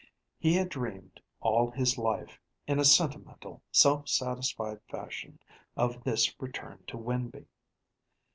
He had dreamed all his life, in a sentimental, self satisfied fashion, of this return to Winby.